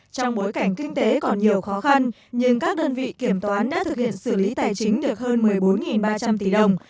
trong bối cảnh kinh tế còn nhiều khó khăn nhưng các đơn vị kiểm toán đã thực hiện xử lý tài chính được hơn một mươi bốn ba trăm linh tỷ đồng